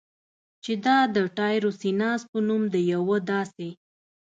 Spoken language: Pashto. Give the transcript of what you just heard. چې دا د ټایروسیناز په نوم د یوه داسې